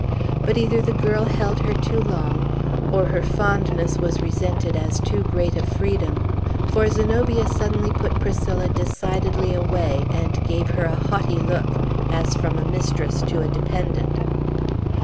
But either the girl held her too long, or her fondness was resented as too great a freedom; for Zenobia suddenly put Priscilla decidedly away, and gave her a haughty look, as from a mistress to a dependant.